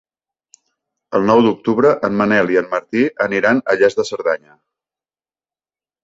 El nou d'octubre en Manel i en Martí aniran a Lles de Cerdanya.